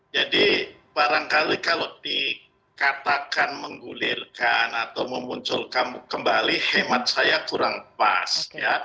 jadi barangkali kalau dikatakan menggulirkan atau memunculkan kembali hemat saya kurang pas